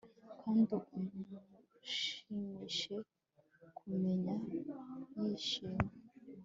kandi umushimishe kumumenya yishimye